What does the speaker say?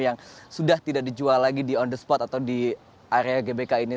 yang sudah tidak dijual lagi di on the spot atau di area gbk ini